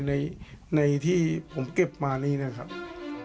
ในที่ผมเก็บมานี่นะครับ